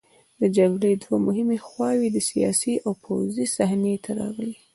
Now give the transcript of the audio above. د جګړې دوه مهمې خواوې د سیاسي او پوځي صحنې ته راغلې.